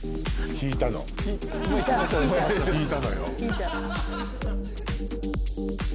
引いたのよ。